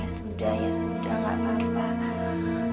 ya sudah ya sudah nggak apa apa